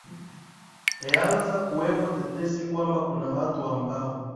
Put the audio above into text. eanza kuwepo tetesi ya kwamba kuna watu ambao